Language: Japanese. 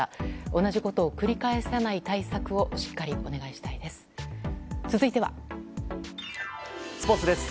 同じことを繰り返さない対策をしっかりお願いしたいです。